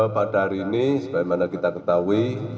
pada hari ini sebagaimana kita ketahui